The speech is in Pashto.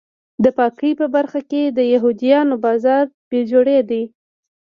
د پاکۍ په برخه کې د یهودیانو بازار بې جوړې دی.